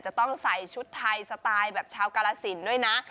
จะต้องใส่ชุดไทยสไตล์แบบชาวกาลสินด้วยนะ